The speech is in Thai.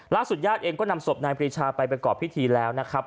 ล่าสุดญาติเองก็นำสบนายปรีชาไปไปกรอบพิธีแล้วนะครับ